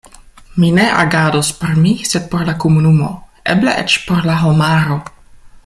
Mi ne agados por mi, sed por la komunumo, eble eĉ por la homaro.